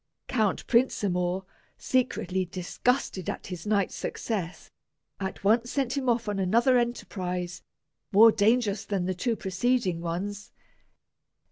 Count Prinsamour, secretly disgusted at his knight's success, at once sent him off on another enterprise, more dangerous than the two preceding ones.